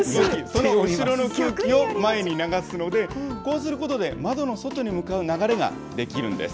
後ろの空気を前に流すので、こうすることで窓の外に向かう流れができるんです。